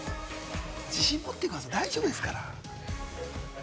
自信持っていけば大丈夫ですから。